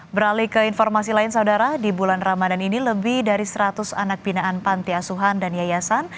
beralih ke informasi lain saudara di bulan ramadan ini lebih dari seratus anak binaan panti asuhan dan yayasan